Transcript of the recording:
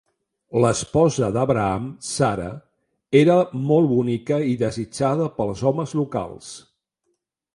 L'esposa d'Abraham, Sara, era molt bonica i desitjada pels homes locals.